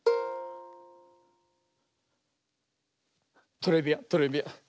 トレビアントレビアン。